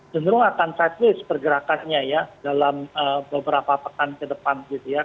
cenderung akan sideways pergerakannya ya dalam beberapa pekan ke depan gitu ya